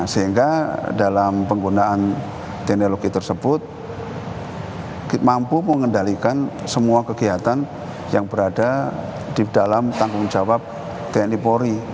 sehingga dalam penggunaan teknologi tersebut mampu mengendalikan semua kegiatan yang berada di dalam tanggung jawab tni polri